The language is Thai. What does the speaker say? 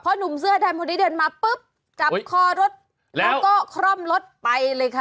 หนุ่มเสื้อดำคนนี้เดินมาปุ๊บจับคอรถแล้วก็คร่อมรถไปเลยค่ะ